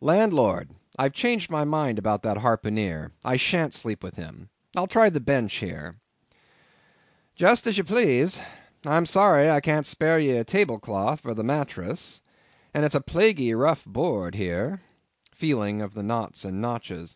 "Landlord! I've changed my mind about that harpooneer.—I shan't sleep with him. I'll try the bench here." "Just as you please; I'm sorry I can't spare ye a tablecloth for a mattress, and it's a plaguy rough board here"—feeling of the knots and notches.